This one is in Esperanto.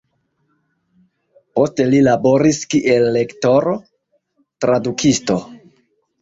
Poste li laboris kiel lektoro, tradukisto.